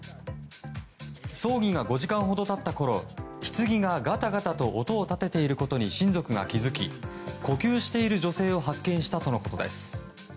葬儀が５時間ほど経ったころひつぎがガタガタと音を立てていることに親族が気付き呼吸している女性を発見したとのことです。